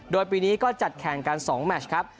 โดยปีนี้ก็จัดแข่งกัน๒แมชครับ